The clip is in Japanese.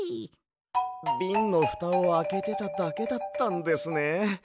ビンのふたをあけてただけだったんですね。